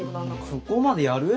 そこまでやる？